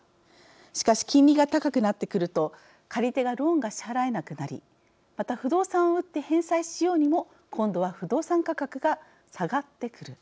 しかし金利が高くなってくると借り手がローンが支払えなくなりまた不動産を売って返済しようにも今度は不動産価格が下がってくる。